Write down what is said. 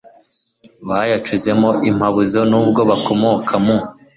bayacuzemo impabuzo n ubwo bakomoka mu